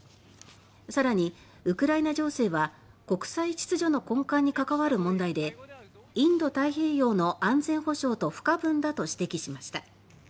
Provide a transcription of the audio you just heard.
更に「ウクライナ情勢は国際秩序の根幹に関わる問題で、インド太平洋の安全保障と不可分だ」と指摘しました。